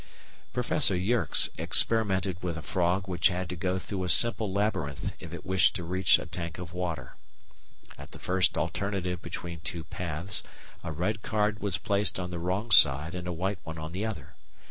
Professor Yerkes experimented with a frog which had to go through a simple labyrinth if it wished to reach a tank of water. At the first alternative between two paths, a red card was placed on the wrong side and a white one on the other.